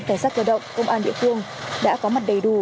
cảnh sát cơ động công an địa phương đã có mặt đầy đủ